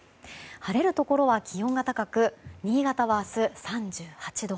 晴れるところは気温が高く新潟は明日、３８度。